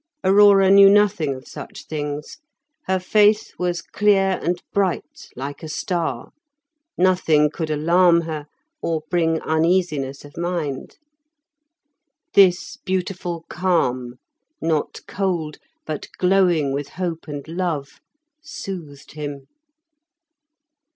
Aurora knew nothing of such things; her faith was clear and bright like a star; nothing could alarm her, or bring uneasiness of mind. This beautiful calm, not cold, but glowing with hope and love, soothed him.